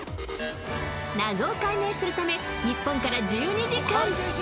謎を解明するため日本から１２時間。